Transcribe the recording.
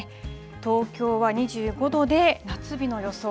東京は２５度で夏日の予想。